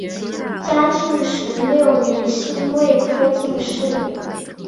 嘉庆十六年辛未科进士。